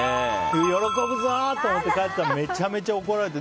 喜ぶぞ！っと思って帰ったらめちゃめちゃ怒られて。